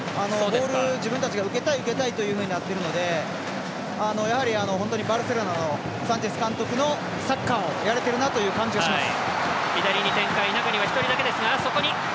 ボール、自分たちが受けたい受けたいとなっているのでやはりバルセロナのサンチェス監督のサッカーをやれてるなという感じがします。